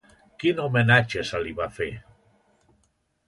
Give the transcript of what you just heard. Quin homenatge se li va fer?